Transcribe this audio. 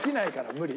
無理。